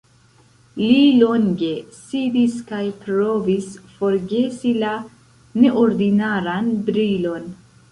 Li longe sidis kaj provis forgesi la neordinaran brilon.